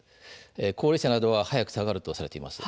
高齢者などは早く下がるとされています。